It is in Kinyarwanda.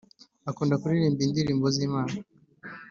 akunda kuririmba indirimbo zi Imana